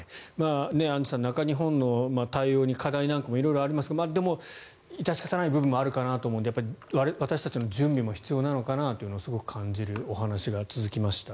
アンジュさん中日本の対応に課題なんかも色々ありますがでも、致し方ない部分もあるのかなと思うので私たちの準備も必要なのかなとすごく感じるお話が続きました。